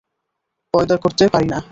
পয়দা করতে পারি না।